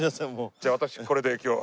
じゃ私これで今日は。